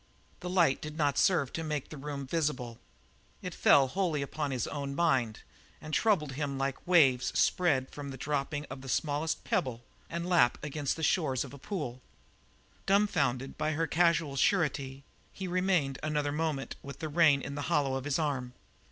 The light did not serve to make the room visible; it fell wholly upon his own mind and troubled him like the waves which spread from the dropping of the smallest pebble and lap against the last shores of a pool. Dumfounded by her casual surety, he remained another moment with the rein in the hollow of his arm.